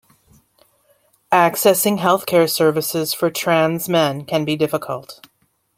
Accessing health care services for trans men can be difficult.